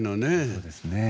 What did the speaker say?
そうですねえ。